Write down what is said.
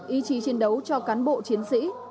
ý chí chiến đấu cho cán bộ chiến sĩ